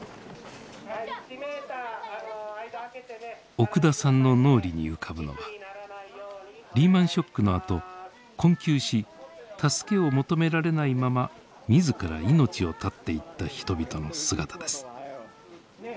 奥田さんの脳裏に浮かぶのはリーマンショックのあと困窮し助けを求められないまま自ら命を絶っていった人々の姿です。